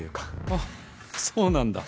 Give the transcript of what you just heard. あっそうなんだ。